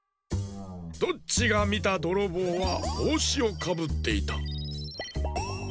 ドッチがみたどろぼうはぼうしをかぶっていた。